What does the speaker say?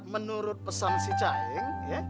menurut pesan si caing